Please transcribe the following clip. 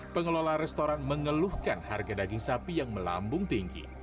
pengelola restoran mengeluhkan harga daging sapi yang melambung tinggi